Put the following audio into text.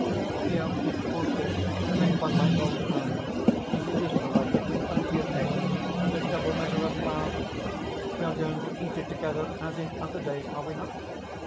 "Here is pultis, made by my own hands, as he used to like it, with plenty of eggs and a double measure of flour! We are going to eat it together as in other days, are we not?"